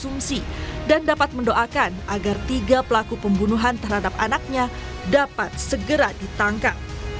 bersumsi dan dapat mendoakan agar tiga pelaku pembunuhan terhadap anaknya dapat segera ditangkap